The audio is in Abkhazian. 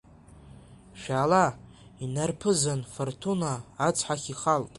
Шәаала, инарԥызан Фартуна, ацҳахь ихалт.